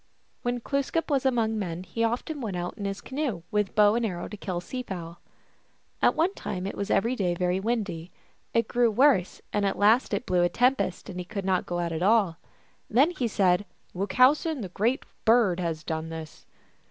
When Glooskap was among men he often went out in his canoe with bow and arrows to kill sea fowl. 112 THE ALGONQUIN LEGENDS. At one time it was every clay very windy ; it grew worse ; at last it blew a tempest, and he could not go out at all. Then he said, " Wuchowsen, the Great Bird, has done this